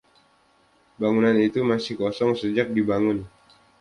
Bangunan itu masih kosong sejak dibangun.